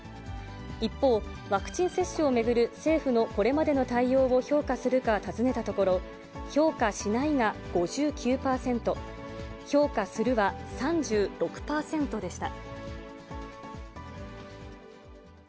一方、ワクチン接種を巡る政府のこれまでの対応を評価するか尋ねたところ、評価しないが５９％、評価するは３６％でした。